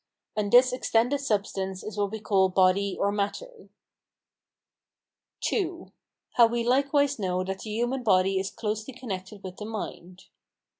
And this extended substance is what we call body or matter. II. How we likewise know that the human body is closely connected with the mind.